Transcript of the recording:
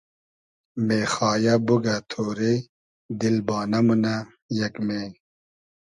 مېخایۂ بوگۂ تۉرې دیل بانۂ مونۂ یئگمې